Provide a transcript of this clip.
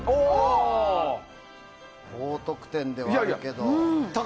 高得点ではあるけど。